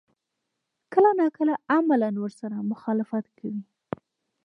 کله نا کله عملاً ورسره مخالفت کوي.